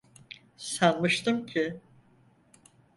Sanmıştım ki…